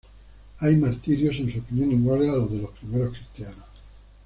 Hay martirios en su opinión iguales a los de los primeros cristianos.